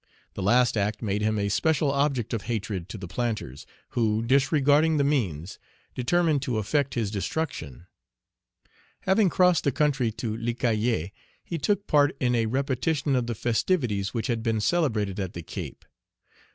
The last act made him a special object of hatred to the planters, who, disregarding the means, determined to effect his destruction. Having crossed the country to Les Cayes, he took part in a repetition of the festivities which had been celebrated at the Cape.